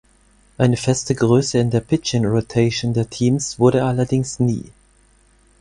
Eine feste Größe in der Pitching Rotation der Teams wurde er allerdings nie.